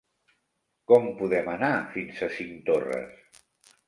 Com podem anar fins a Cinctorres?